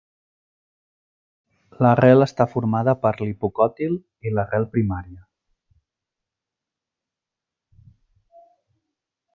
L'arrel està formada per l'hipocòtil i l'arrel primària.